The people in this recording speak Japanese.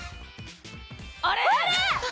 あれ！